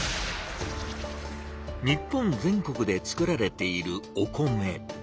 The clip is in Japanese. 日本全国でつくられているお米。